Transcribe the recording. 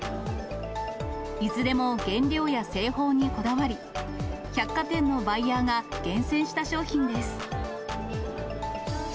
いずれも原料や製法にこだわり、百貨店のバイヤーが厳選した商品です。